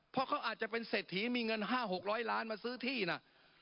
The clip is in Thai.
เพราะเขาอาจจะเป็นเศรษฐีมีเงิน๕๖๐๐ล้านมาซื้อที่นะ